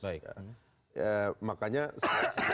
makanya saya sendiri percaya bahwa itu akan berhasil